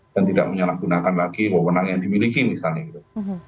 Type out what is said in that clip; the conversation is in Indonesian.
dan tidak menyalahgunakan lagi wawonan yang dimiliki misalnya